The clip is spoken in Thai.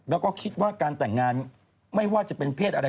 แล้วก็คิดว่าการแต่งงานไม่ว่าจะเป็นเพศอะไร